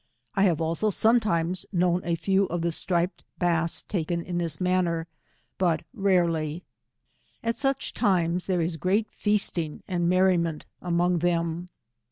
I have also sometime* kaowD a few of the striped bass takea iu this mac ner, bat rarely. At such times there is great feasting and merriment among them.